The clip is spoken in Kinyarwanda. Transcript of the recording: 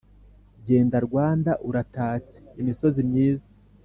Genda Rwanda uratatse! Imisozi myiza